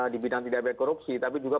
di bidang tidak berkorupsi tapi juga